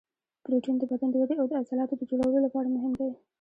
پروټین د بدن د ودې او د عضلاتو د جوړولو لپاره مهم دی